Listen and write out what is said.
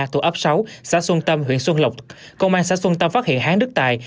thuộc ấp sáu xã xuân tâm huyện xuân lộc công an xã xuân tâm phát hiện hán đức tài